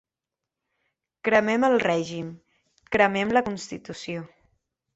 Cremem el règim, cremem la constitució!